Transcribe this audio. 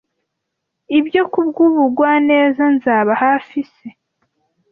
ibyo kubwubugwaneza nzaba hafi se